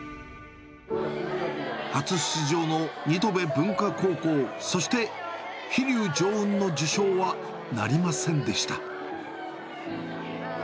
初出場の新渡戸文化高校、そして飛龍乗雲の受賞はなりませんでした。